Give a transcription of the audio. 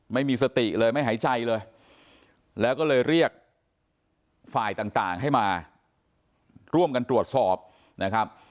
ไม่มีสติเลยไม่หายใจเลยแล้วก็เลยเรียกฝ่ายต่างให้มาร่วมกันตรวจสอบนะครับ